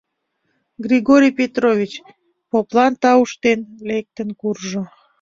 Григорий Петрович, поплан тауштен, лектын куржо...